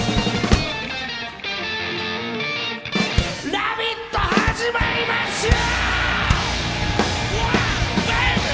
「ラヴィット！」始まりますよ！